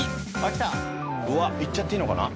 うわっ行っちゃっていいのかな。